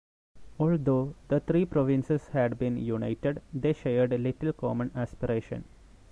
Although the three provinces had been united, they shared little common aspiration.